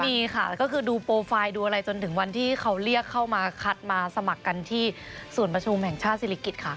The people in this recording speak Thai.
มีค่ะก็คือดูโปรไฟล์ดูอะไรจนถึงวันที่เขาเรียกเข้ามาคัดมาสมัครกันที่ศูนย์ประชุมแห่งชาติศิริกิจค่ะ